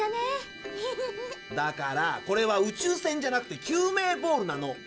だからこれは宇宙船じゃなくて救命ボールなの。